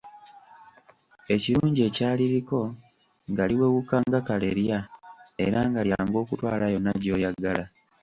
Ekirungi ekyaliriko, nga liwewuka nga kalerya era nga lyangu okutwala yonna gy'oyagala.